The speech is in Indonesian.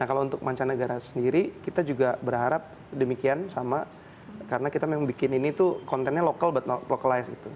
nah kalau untuk mancanegara sendiri kita juga berharap demikian sama karena kita memang bikin ini tuh kontennya lokal butno localized gitu